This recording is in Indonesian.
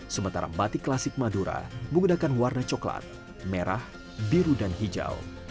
sementara batik klasik madura menggunakan warna coklat merah biru dan hijau